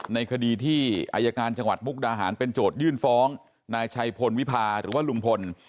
ในคดีที่อายการจังหวัดมุกดาหารเป็นโจทยื่นฟ้องนายชัยพลวิพาหรือว่าลุงพล